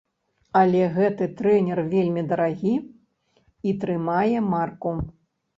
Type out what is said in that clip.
Але гэты трэнер вельмі дарагі і трымае марку.